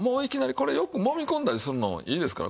これよくもみ込んだりするのいいですから。